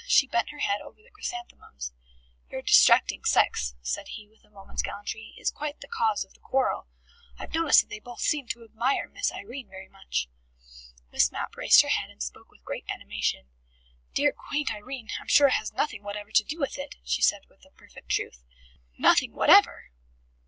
She bent her head over the chrysanthemums. "Your distracting sex," said he with a moment's gallantry, "is usually the cause of quarrel. I've noticed that they both seemed to admire Miss Irene very much." Miss Mapp raised her head and spoke with great animation. "Dear, quaint Irene, I'm sure, has nothing whatever to do with it," she said with perfect truth. "Nothing whatever!"